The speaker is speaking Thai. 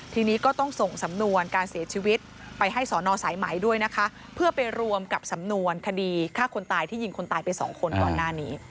ทีนี้ก็ต้องส่งสำนวนการเสียชีวิตไปให้สอนอสายไหมด้วยนะคะเพื่อไปรวมกับสำนวนคดีฆ่าคนตายที่ยิงคนตายไปสองคนก่อนหน้านี้